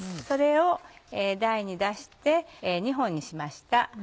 それを台に出して２本にしました。